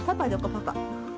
パパ。